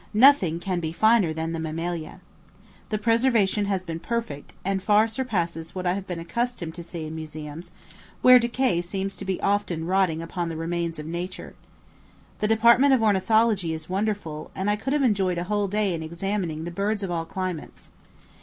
Nothing can be finer than the mammalia. The preservation has been perfect, and far surpasses what I have been accustomed to see in museums, where decay seems to be often rioting upon the remains of nature. The department of ornithology is wonderful, and I could have enjoyed a whole day in examining the birds of all climates.